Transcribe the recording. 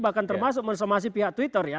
bahkan termasuk mensomasi pihak twitter ya